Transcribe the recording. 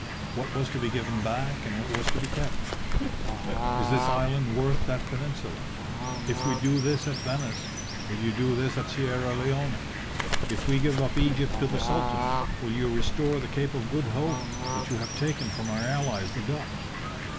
What was to be given back, and what was to be kept? Is this island worth that peninsula? If we do this at Venice, will you do that at Sierra Leone? If we give up Egypt to the Sultan, will you restore the Cape of Good Hope, which you have taken from our allies the Dutch?